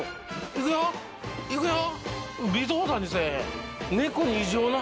行くよ行くよ。